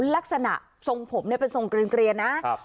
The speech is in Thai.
ลักษณะทรงผมเนี้ยเป็นทรงเกลียนเกลียนนะครับ